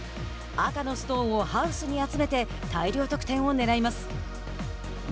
赤のストーンをハウスに集めて大量得点をねらいます。